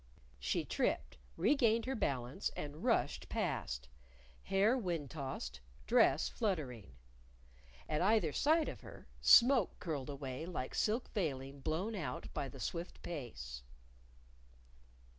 She tripped, regained her balance, and rushed past, hair wind tossed, dress fluttering. At either side of her, smoke curled away like silk veiling blown out by the swift pace.